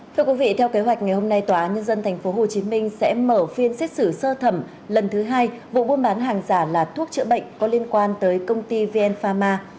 thưa quý vị theo kế hoạch ngày hôm nay tòa án nhân dân tp hcm sẽ mở phiên xét xử sơ thẩm lần thứ hai vụ buôn bán hàng giả là thuốc chữa bệnh có liên quan tới công ty vn pharma